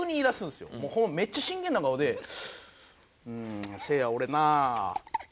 めっちゃ真剣な顔で「うーんせいや俺な」。